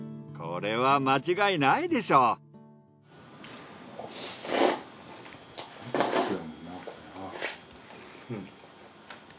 これは間違いないでしょう。